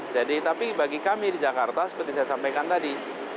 jadi tapi bagi kami di jakarta seperti saya sampaikan tadi